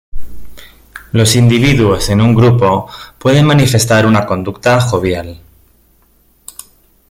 Los individuos en un grupo pueden manifestar una conducta jovial.